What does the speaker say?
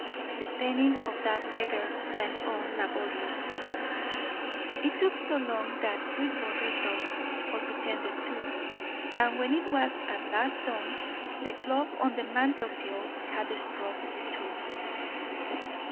The penning of that letter went on laboriously. It took so long that Sweetwater dozed, or pretended to, and when it was at last done, the clock on the mantelpiece had struck two.